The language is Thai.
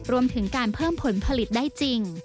รวมถึงการเพิ่มผลผลิตได้จริง